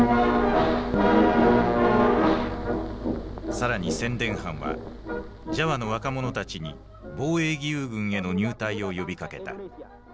更に宣伝班はジャワの若者たちに防衛義勇軍への入隊を呼びかけた。